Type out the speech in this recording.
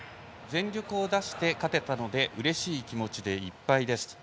全力を出して勝てたのでうれしい気持ちでいっぱいですと。